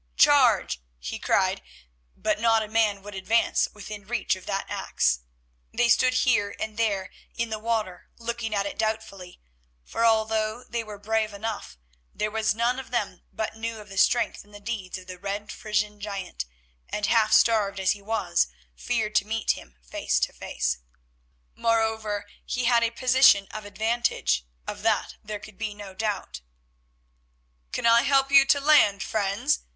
"Charge," he cried, but not a man would advance within reach of that axe. They stood here and there in the water looking at it doubtfully, for although they were brave enough, there was none of them but knew of the strength and deeds of the red Frisian giant, and half starved as he was, feared to meet him face to face. Moreover, he had a position of advantage, of that there could be no doubt. "Can I help you to land, friends?"